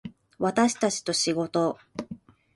私たちと仕事